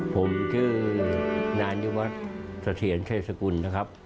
ผมชื่อนายุวัฒน์เสถียรเทศกุลนะครับ